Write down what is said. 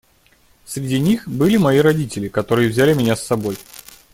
Среди них были мои родители, которые взяли меня с собой.